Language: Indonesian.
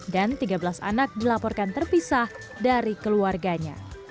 dan tiga belas anak dilaporkan terpisah dari keluarga